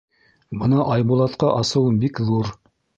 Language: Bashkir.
Бына Айбулатҡа асыуым бик ҙур.